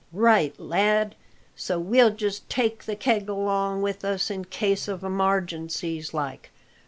"Right, lad; so we'll just take the keg along with us in case of emargencies like.